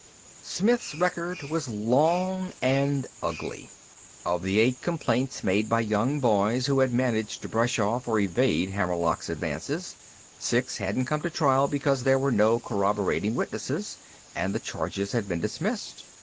Smith's record was long and ugly. Of the eight complaints made by young boys who had managed to brush off or evade Hammerlock's advances, six hadn't come to trial because there were no corroborating witnesses, and the charges had been dismissed.